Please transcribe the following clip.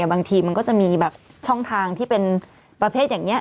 บางทีมันก็จะมีแบบช่องทางที่เป็นประเภทอย่างนี้